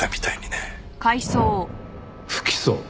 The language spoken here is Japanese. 不起訴？